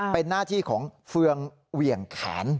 เป็นหน้าที่ของเฟืองเหวี่ยงขาน